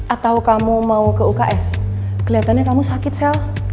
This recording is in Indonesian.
atau kamu mau ke uks kelihatannya kamu sakit sel